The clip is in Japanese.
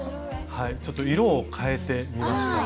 ちょっと色をかえてみました。